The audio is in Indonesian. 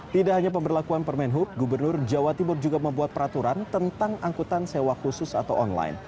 tidak hanya pemberlakuan permen hub gubernur jawa timur juga membuat peraturan tentang angkutan sewa khusus atau online